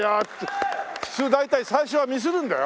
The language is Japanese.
普通大体最初はミスるんだよ。